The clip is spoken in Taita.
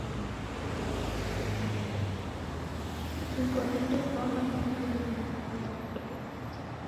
Ingo idebwagha mburi yedu ipwau.